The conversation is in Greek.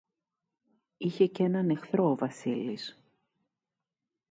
Είχε κι έναν εχθρό ο Βασίλης